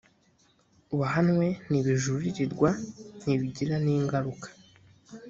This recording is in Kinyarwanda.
wahanwe ntibijuririrwa ntibigira n ingaruka